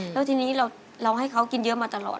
แล้วทีนี้เราให้เขากินเยอะมาตลอด